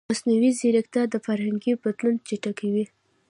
مصنوعي ځیرکتیا د فرهنګي بدلون چټکوي.